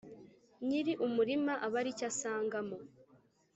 nyiri umurima aba ari cyo asangamo.